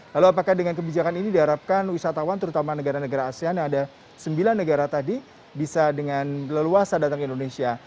lalu apakah dengan kebijakan ini diharapkan wisatawan terutama negara negara asean yang ada sembilan negara tadi bisa dengan leluasa datang ke indonesia